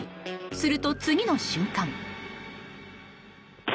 すると、次の瞬間。